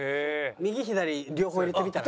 右左両方入れてみたら？